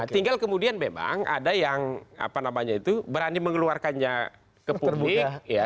tinggal kemudian memang ada yang berani mengeluarkannya ke publik